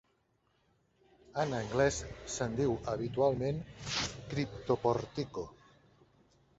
En anglès, se'n diu habitualment "cryptoportico".